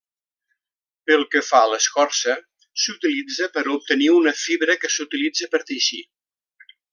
Pel que fa a l'escorça, s'utilitza per obtenir una fibra que s'utilitza per teixir.